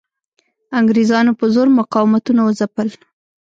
انګریزانو په زور مقاومتونه وځپل.